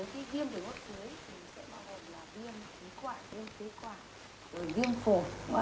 với cái viêm đường hoa hấp dưới thì sẽ bao gồm là viêm tế quả viêm tế quả viêm phổ